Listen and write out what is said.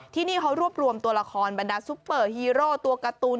ที่นี่เขารวบรวมตัวละครบรรดาซุปเปอร์ฮีโร่ตัวการ์ตูน